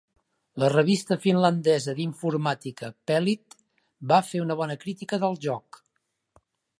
La revista finlandesa d'informàtica "Pelit" va fer una bona crítica del joc.